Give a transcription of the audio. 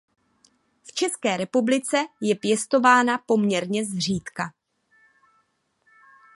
V České republice je pěstována poměrně zřídka.